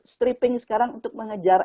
stripping sekarang untuk mengejar